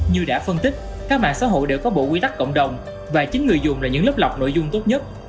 như đã phân tích các mạng xã hội đều có bộ quy tắc cộng đồng và chính người dùng là những lớp lọc nội dung tốt nhất